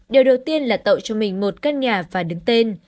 điều đầu tiên là tạo cho mình một căn nhà và đứng tên